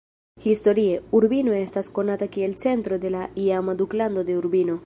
Historie, Urbino estas konata kiel centro de la iama duklando de Urbino.